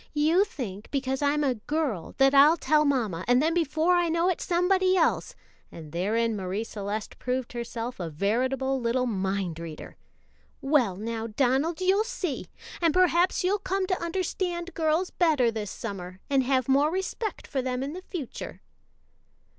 "You think because I'm a girl that I'll tell mamma, and then before I know it somebody else," and therein Marie Celeste proved herself a veritable little mind reader. "Well, now, Donald, you'll see! and perhaps you'll come to understand girls better this summer, and have more respect for them in the future."